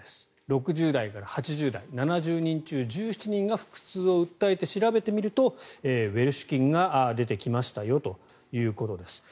６０代から８０代７０人中１７人が腹痛を訴えて調べてみるとウエルシュ菌が出てきましたよということです。